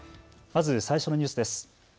まず最初のニュースです。